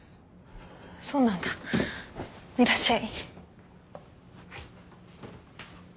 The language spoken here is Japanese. そうなんだいらっしゃい。